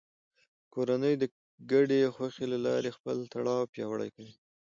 کورنۍ د ګډې خوښۍ له لارې خپل تړاو پیاوړی کوي